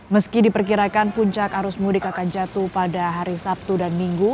meski diperkirakan puncak arus mudik akan jatuh pada hari sabtu dan minggu